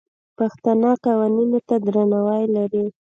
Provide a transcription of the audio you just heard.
پښتانه قوانینو ته درناوی لري.